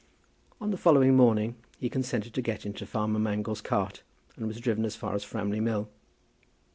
On the following morning he consented to get into farmer Mangle's cart, and was driven as far as Framley Mill.